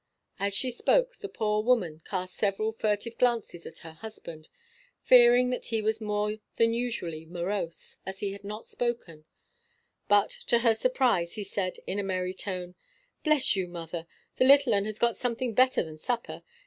As she spoke, the poor woman cast several furtive glances at her husband, fearing that he was more than usually morose, as he had not spoken; but, to her surprise, he said, in a merry tone: "Bless you, mother, the little 'un has got something better than supper.